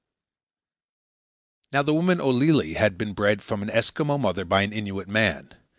Now the woman Olillie had been bred from an Eskimo mother by an Innuit man.